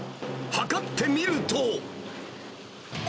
測ってみると。